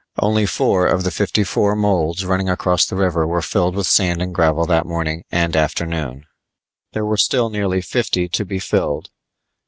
Only four of the fifty four molds running across the river were filled with sand and gravel that morning and afternoon there were still nearly fifty to be filled.